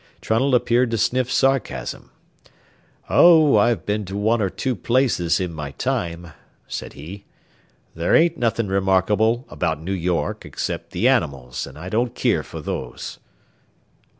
Trunnell appeared to sniff sarcasm. "Oh, I've been to one or two places in my time," said he. "There ain't nothin' remarkable about New York except the animals, and I don't keer fer those."